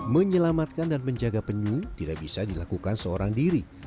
menyelamatkan dan menjaga penyu tidak bisa dilakukan seorang diri